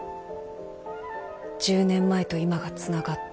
１０年前と今がつながった。